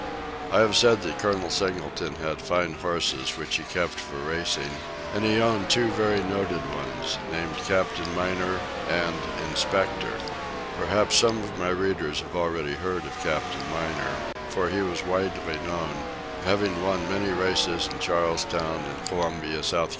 I have said that Col. Singleton had fine horses, which he kept for racing, and he owned two very noted ones, named Capt. Miner and Inspector. Perhaps some of my readers have already heard of Capt. Miner, for he was widely known, having won many races in Charlestown and Columbia, S.C.